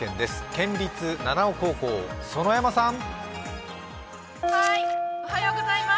県立七尾高校、園山さん。